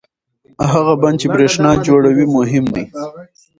هغه بند چې برېښنا جوړوي مهم دی.